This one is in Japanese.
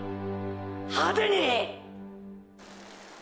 派手に！！